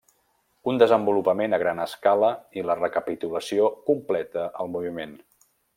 Un desenvolupament a gran escala i la recapitulació completa el moviment.